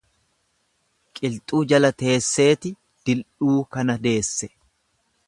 Qilxuu jala teesseeti dildhuu kana deesse.